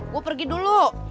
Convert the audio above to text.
gua pergi dulu